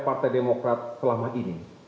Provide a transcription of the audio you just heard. partai demokrat selama ini